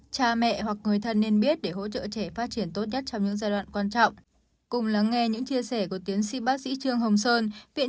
cha mẹ hoặc người thân nên biết để hỗ trợ trẻ phát triển tốt nhất trong những giai đoạn quan trọng